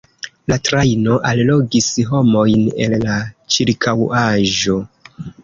La trajno allogis homojn el la ĉirkaŭaĵo.